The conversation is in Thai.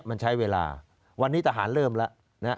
มันใช้เวลาวันนี้ทหารเริ่มแล้วนะฮะ